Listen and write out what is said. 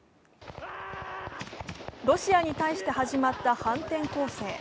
ロシアに対して始まった反転攻勢。